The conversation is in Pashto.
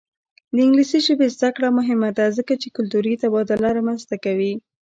د انګلیسي ژبې زده کړه مهمه ده ځکه چې کلتوري تبادله رامنځته کوي.